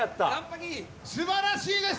すばらしいです。